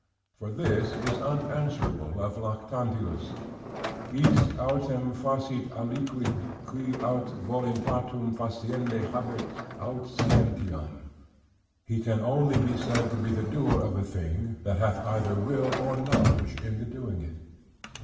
For this is unanswerable of Lactantius, "Is autem facit aliquid, qui aut voluntatem faciendi habet, aut scientiam:" "He only can be said to be the doer of a thing, that hath either will or knowledge in the doing it."